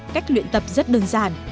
cách luyện tập rất đơn giản